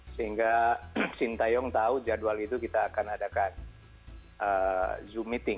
sehingga sintayong tahu jadwal itu kita akan adakan zoom meeting